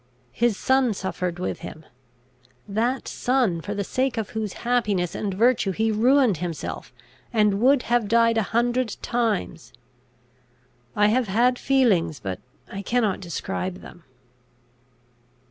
His son suffered with him; that son, for the sake of whose happiness and virtue he ruined himself, and would have died a hundred times. I have had feelings, but I cannot describe them.